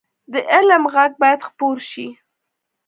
د علم غږ باید خپور شي